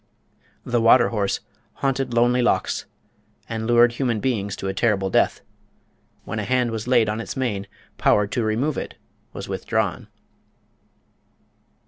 The Water Horse haunted lonely lochs, and lured human beings to a terrible death. When a hand was laid on its main, power to remove it was withdrawn.